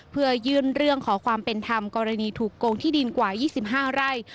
เพื่อยื่นเรื่องขอความเป็นธรรมกรณีถูกโกงที่ดินกว่า๒๕ไร่